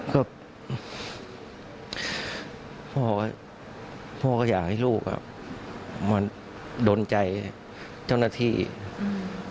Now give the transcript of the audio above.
ก็พ่อก็อยากให้ลูกอ่ะมาดนใจเจ้าหน้าที่อีกอืม